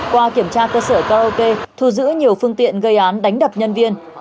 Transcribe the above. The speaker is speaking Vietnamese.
qua kiểm tra cơ sở karaoke thu giữ nhiều phương tiện gây án đánh đập nhân viên